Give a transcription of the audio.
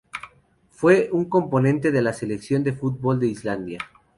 Fue un componente de la selección de fútbol de Islandia.